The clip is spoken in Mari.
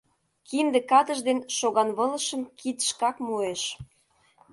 Кинде катыш ден шоганвылышым кид шкак муэш.